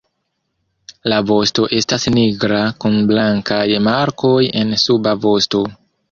La vosto estas nigra kun blankaj markoj en suba vosto.